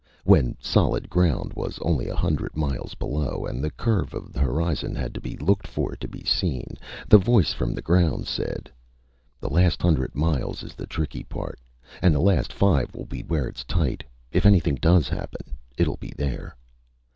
When solid ground was only a hundred miles below and the curve of the horizon had to be looked for to be seen, the voice from the ground said: "_The last hundred miles is the tricky part, and the last five will be where it's tight. If anything does happen, it'll be there.